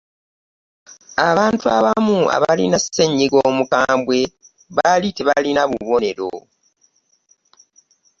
abantu abamu abaalina ssenyiga omukambwe baali tebalina bubonero.